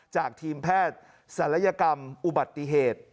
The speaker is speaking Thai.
จากทีมแพทย์ศัลยกรรมอุบัติเหตุ